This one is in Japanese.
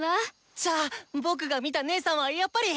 じゃあ僕が見た姐さんはやっぱり。